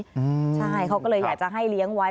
ใช่เขาก็เลยอยากจะให้เลี้ยงไว้